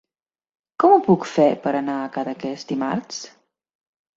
Com ho puc fer per anar a Cadaqués dimarts?